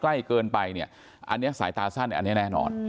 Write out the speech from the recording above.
อันนี้สายตาสั้นอันนี้แน่นอน